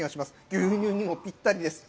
牛乳にもぴったりです。